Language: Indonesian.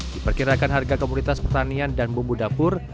diperkirakan harga komunitas pertanian dan bumbu dapur